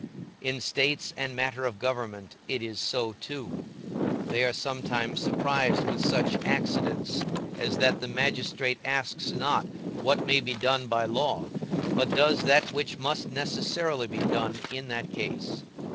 In states and matter of government it is so too; they are sometimes surprised with such accidents, as that the magistrate asks not what may be done by law, but does that which must necessarily be done in that case.